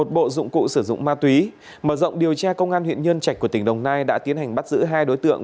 một bộ dụng cụ sử dụng ma túy mở rộng điều tra công an huyện nhân trạch của tỉnh đồng nai đã tiến hành bắt giữ hai đối tượng